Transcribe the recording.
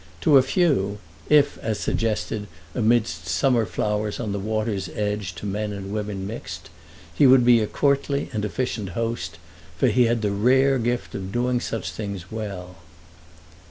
To a few, if, as suggested, amidst summer flowers on the water's edge to men and women mixed, he would be a courtly and efficient host; for he had the rare gift of doing such things well.